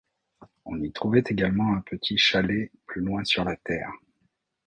On y trouvait également un petit chalet plus loin sur la terre.